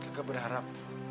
gek ke berharap